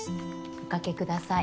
おかけください。